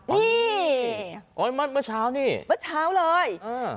นี่โอ๊ยมัดเมื่อเช้านี่เมื่อเช้าเลยอ่า